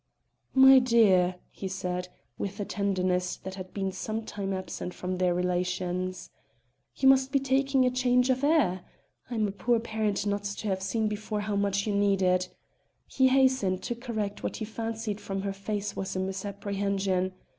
"My dear," he said, with a tenderness that had been some time absent from their relations, "you must be taking a change of air. I'm a poor parent not to have seen before how much you need it." He hastened to correct what he fancied from her face was a misapprehension.